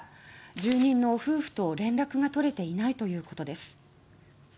住人の夫婦と連絡が取れていないということです。